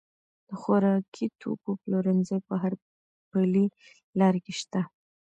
د خوراکي توکو پلورنځي په هر پلې لار کې شته.